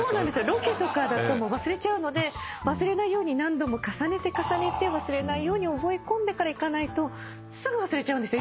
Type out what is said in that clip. ロケとかだと忘れちゃうので忘れないように何度も重ねて重ねて忘れないように覚え込んでから行かないとすぐ忘れちゃうんですよ